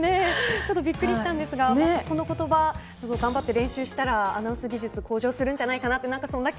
ちょっとびっくりしたんですがこの言葉頑張って練習したらアナウンス技術も向上するんじゃないかな